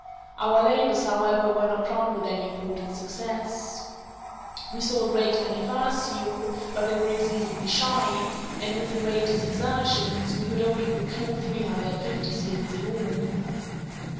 Our labours, however, were not crowned with any important success. We saw a great many fur seal, but they were exceedingly shy, and with the greatest exertions, we could only procure three hundred and fifty skins in all.